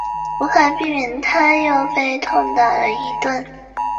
但是这次出使唐朝因为暴风雨袭击船队而不得不返航。